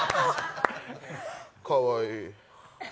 かわいい。